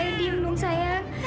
kami percaya sama kakak